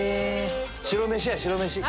白飯や白飯。